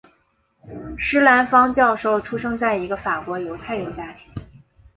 施兰芳教授出生在一个法国犹太人家庭。